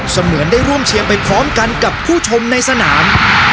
เหมือนได้ร่วมเชียร์ไปพร้อมกันกับผู้ชมในสนาม